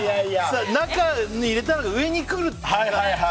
中に入れたのが上に来るって。